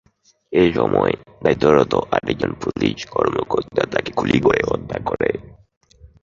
এসময় দায়িত্বরত আরেকজন পুলিশ কর্মকর্তা তাকে গুলি করে হত্যা করে।